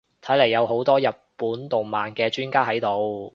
睇嚟有好多日本動漫嘅專家喺度